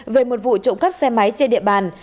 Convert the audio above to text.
về một vụ trộm cắp xe máy trên địa bàn